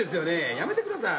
やめてください。